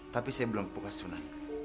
tapi saya belum pokoknya sunan